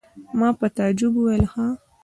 ما په تعجب وویل: ښه!